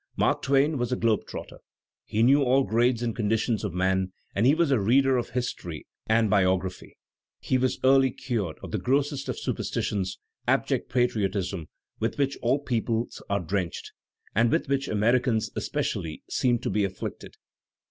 Mark Twain was a globe trotter; he knew all grades and conditions of man, and he was a reader of history and biog raphy; he was early cured of the grossest of superstitions, abject patriotism, with which all peoples are drenched and with which Americans, especially, seem to be afflicted.